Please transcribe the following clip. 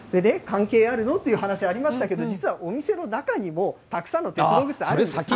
関係あるのっていう話ありましたけど、実はお店の中にもたくさんの鉄道グッズあるんです。